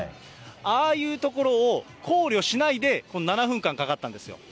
ああいうところを考慮しないで、７分間かかったんですよ。